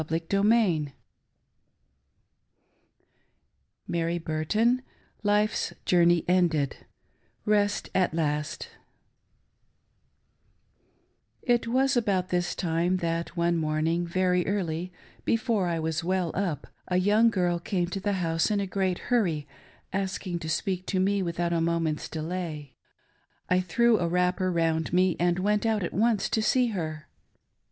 — With my dying Friend — Life's Journey Ended— Rest at last IT was about this time that one morning, very early, before I was Ayell up, a young girl came to the house in a great hurry, asking to speak to me without a moment's delay. I threw a wrapper round me, and went out at once to see her.